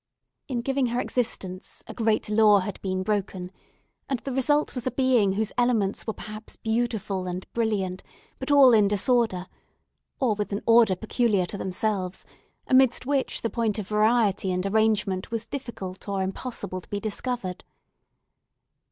In giving her existence a great law had been broken; and the result was a being whose elements were perhaps beautiful and brilliant, but all in disorder, or with an order peculiar to themselves, amidst which the point of variety and arrangement was difficult or impossible to be discovered.